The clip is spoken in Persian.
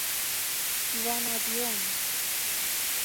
وانادیم